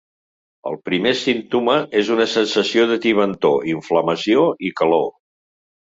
El primer símptoma és una sensació de tibantor, inflamació i calor.